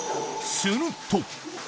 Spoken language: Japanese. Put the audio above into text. すると。